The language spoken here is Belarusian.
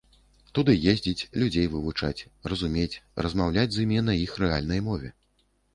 Туды ездзіць, людзей вывучаць, разумець, размаўляць з імі на іх рэальнай мове.